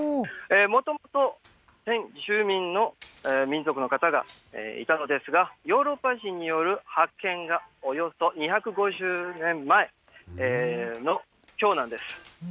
もともと先住民の民族の方がいたのですが、ヨーロッパ人による発見がおよそ２５０年前のきょうなんです。